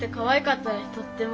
とっても。